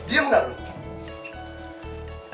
diam gak lo